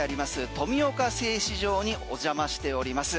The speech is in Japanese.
富岡製糸場にお邪魔しております